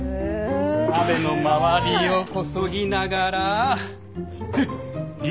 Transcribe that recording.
鍋の周りをこそぎながら煮る！